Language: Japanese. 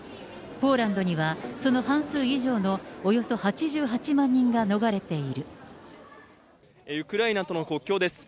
ポーランドには、その半数以上のおよそ８８万人が逃れている。